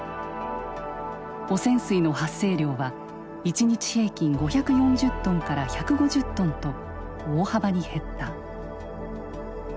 汚染水の発生量は一日平均５４０トンから１５０トンと大幅に減った。